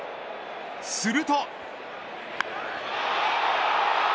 すると。